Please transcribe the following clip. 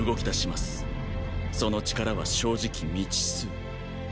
その力は正直未知数ーー。